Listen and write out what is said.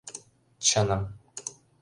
Чыным...